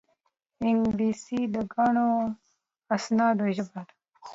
انګلیسي د ګڼو اسنادو ژبه ده